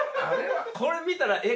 これ見たら。